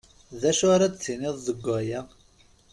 D acu ara d-tiniḍ deg waya?